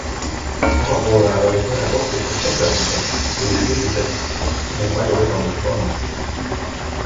Avapoolajal olid mõned ohtlikud tsenderdused, kuid üldiselt neil palju võimalusi polnud.